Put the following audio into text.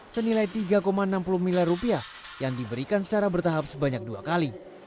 senilai rp tiga enam puluh miliar yang diberikan secara bertahap sebanyak dua kali